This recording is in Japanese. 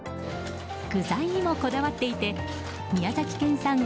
具材にもこだわっていて宮崎県産